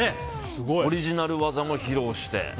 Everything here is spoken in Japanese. オリジナル技も披露して。